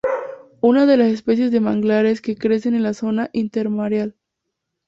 Una de las especies de manglares que crecen en la zona intermareal.